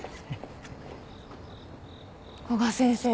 古賀先生